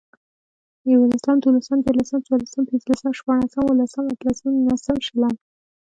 ېولسم، دولسم، ديارلسم، څوارلسم، پنځلسم، شپاړسم، اوولسم، اتلسم، نولسم، شلم